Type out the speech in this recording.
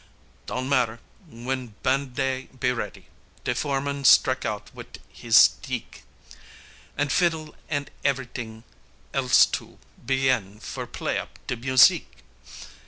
Don't matter, w'en ban' dey be ready, de foreman strek out wit' hees steek, An' fiddle an' ev'ryt'ing else too, begin for play up de musique.